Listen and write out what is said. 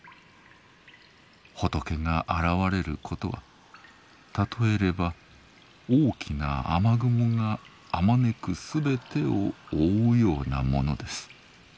仏が現れることは譬えれば大きな雨雲があまねくすべてを覆うようなものです。